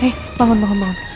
hey bangun bangun bangun